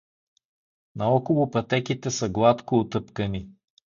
Наоколо пътеките са гладко утъпкани.